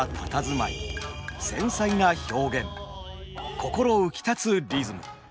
心浮きたつリズム。